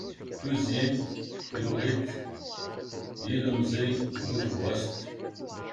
Tuzyint yuɣ-itt yilemẓi bu tebɣest.